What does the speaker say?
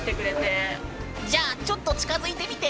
じゃあちょっと近づいてみて。